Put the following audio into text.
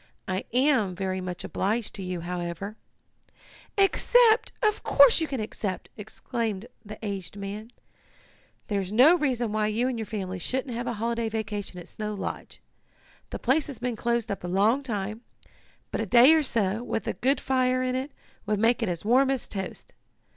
I am very much obliged to you, however " "Accept! Of course you can accept!" exclaimed the aged man. "There's no reason why you and your family shouldn't have a holiday vacation at Snow Lodge. The place has been closed up a long time, but a day or so, with a good fire in it, would make it as warm as toast.